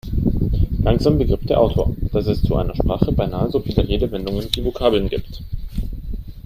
Langsam begriff der Autor, dass es zu einer Sprache beinahe so viele Redewendungen wie Vokabeln gibt.